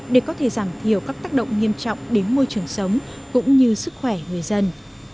để có thể giảm thiểu các tác động nghiêm trọng đến môi trường sống cũng như sức khỏe người dân